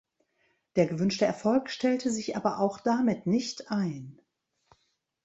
Der gewünschte Erfolg stellte sich aber auch damit nicht ein.